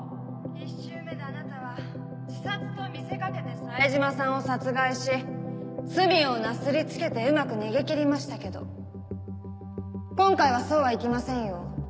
１周目であなたは自殺と見せかけて冴島さんを殺害し罪をなすりつけてうまく逃げ切りましたけど今回はそうはいきませんよ。